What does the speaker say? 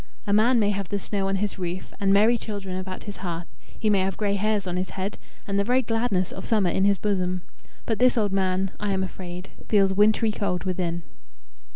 A man may have the snow on his roof, and merry children about his hearth; he may have grey hairs on his head, and the very gladness of summer in his bosom. But this old man, I am afraid, feels wintry cold within."